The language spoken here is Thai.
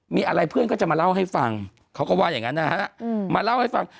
มีอะไรเพื่อนก็จะมาเล่าให้ฟังเขาก็ว่าอย่างนั้นนะฮะมาเล่าให้ฟัง